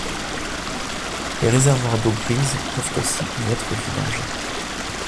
Les réservoirs d'eaux grises peuvent aussi y être vidangés.